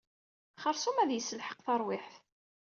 Xersum ad yesselḥeq tarwiḥt.